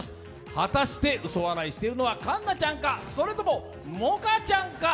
果たして嘘笑いしてるのは環奈ちゃんかそれとも萌歌ちゃんか。